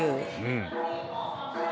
うん。